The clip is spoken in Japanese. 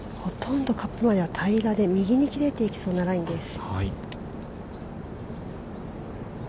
ほとんどカップまでは平らで右に切れていきそうなラインです。